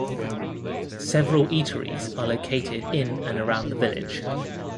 Several eateries are located in and around the village.